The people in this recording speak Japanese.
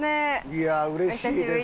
いやうれしいです。